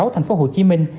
thành phố hồ chí minh